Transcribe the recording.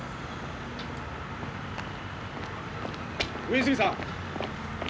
上杉さん。